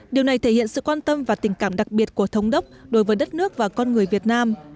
điều này thể hiện sự quan tâm và tình cảm đặc biệt của thống đốc đối với đất nước và con người việt nam